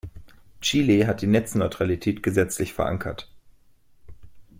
Chile hat die Netzneutralität gesetzlich verankert.